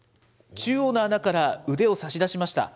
中央の穴から腕を差し出しました。